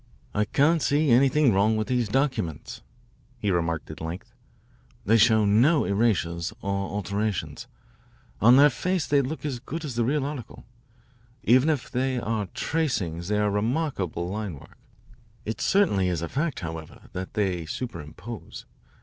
"I can't see anything wrong with these documents," he remarked at length. "They show no erasures or alterations. On their face they look as good as the real article. Even if they are tracings they are remarkably line work. It certainly is a fact, however, that they superimpose.